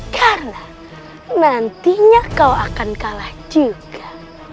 karena nantinya kau akan kalah juga